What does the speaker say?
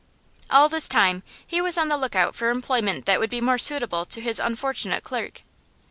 All this time he was on the look out for employment that would be more suitable to his unfortunate clerk.